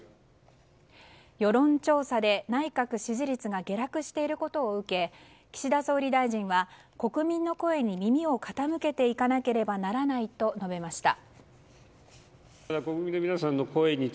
世論調査で内閣支持率が下落していることを受け岸田総理大臣は、国民の声に耳を傾けていかなければならないと述べました。